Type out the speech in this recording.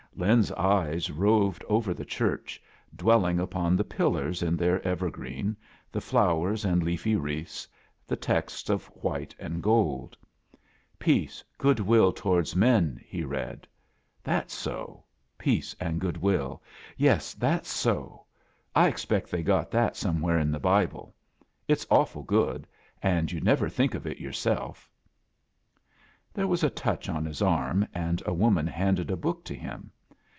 Lin's eyes roved over the church, dwelling upon the pillars in their evergreen, the flowers and leafy wreaths, the texts of white and gold. "'Peace, y A JOURNEY IN SEARCH OF CHRISTMAS good will towatxis men,' " he read. " That's 80. Peace and good wiU. Yes, that's so, I expect they got that somewheres hi the Bible. It's awfol good, and you*d nevet think of it yourself." There was a touch on fiis arm, and a woman Iianded a book to tiim.